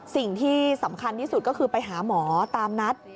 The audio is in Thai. สิ่งที่สำคัญที่สุดก็คือไปหาหมอตามนัด